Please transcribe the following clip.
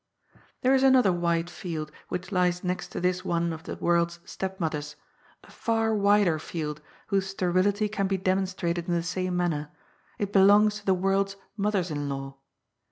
There is another wide field which lies next to this one of the world's stepmothers, a far wider field, whose sterility can be demonstrated in the same manner ; it belongs to the world's mothers in law.